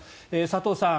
佐藤さん